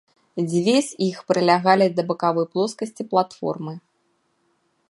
Дзве з іх прылягалі да бакавой плоскасці платформы.